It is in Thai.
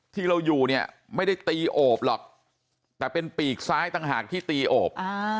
ที่เราอยู่เนี่ยไม่ได้ตีโอบหรอกแต่เป็นปีกซ้ายต่างหากที่ตีโอบ